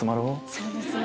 そうですね。